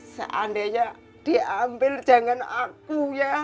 seandainya diambil jangan aku ya